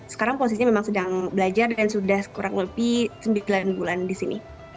sekarang posisinya memang sedang belajar dan sudah kurang lebih sembilan bulan di sini